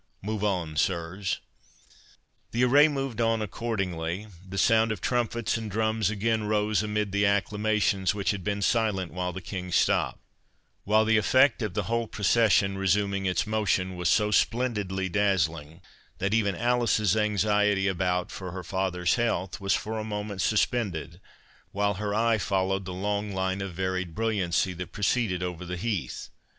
—Move on, sirs." The array moved on accordingly; the sound of trumpets and drums again rose amid the acclamations, which had been silent while the King stopped; while the effect of the whole procession resuming its motion, was so splendidly dazzling, that even Alice's anxiety about for her father's health was for a moment suspended, while her eye followed the long line of varied brilliancy that proceeded over the heath.